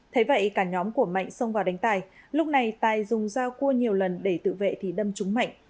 thế vậy cả nhóm của mạnh xông vào đánh tài lúc này tài dùng dao cua nhiều lần để tự vệ thì đâm trúng mạnh